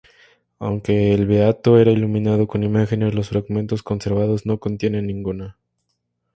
Aunque el beato era iluminado con imágenes, los fragmentos conservados no contienen ninguna.